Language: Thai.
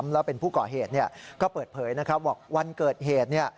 แล้วเป็นผู้ก่อเหตุก็เปิดเผยว่าวันเกิดเหตุ